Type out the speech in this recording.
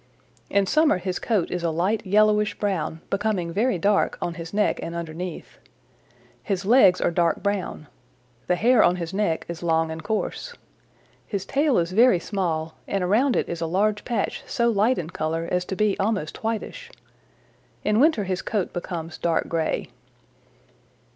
In summer his coat is a light yellowish brown, becoming very dark on his neck and underneath. His legs are dark brown. The hair on his neck is long and coarse. His tail is very small, and around it is a large patch so light in color as to be almost whitish. In winter his coat becomes dark gray.